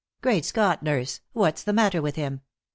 Great Scott, nurse! What's the matter with him?